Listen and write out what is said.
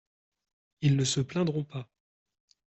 Ils ne se plaindront pas ?